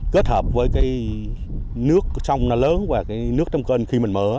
kết hợp với nước sông lớn và nước trong cơn khi mở